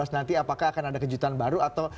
nanti apakah akan ada kejutan baru atau